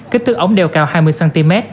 kích thước ống đeo cao hai mươi cm